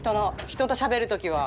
人としゃべる時は。